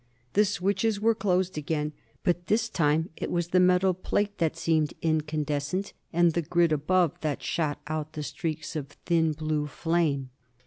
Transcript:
The switches were closed again, but this time it was the metal plate that seemed incandescent, and the grid above that shot out the streaks of thin blue flame.